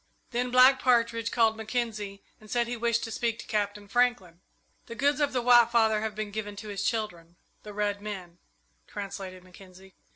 Then Black Partridge called Mackenzie and said he wished to speak to Captain Franklin. "The goods of the White Father have been given to his children, the red men," translated Mackenzie.